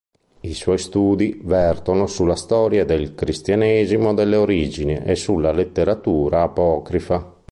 I suoi studi vertono sulla storia del cristianesimo delle origini e sulla letteratura apocrifa.